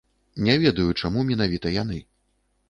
Не ведаю, чаму менавіта яны.